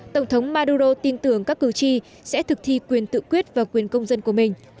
tổng thống maduro tin tưởng các cử tri sẽ thực thi quyền tự quyết và quyền công dân của mình